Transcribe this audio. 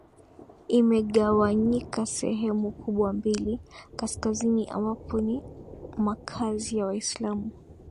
imegawanyika sehemu kubwa mbili kaskazini ambapo ni makaazi ya waislamu